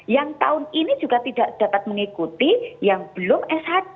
yang tahun ini juga tidak dapat mengikuti yang belum shd